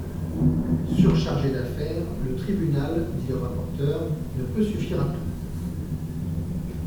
Surchargé d'affaires, le tribunal, dit le rapporteur, ne peut suffire à tout.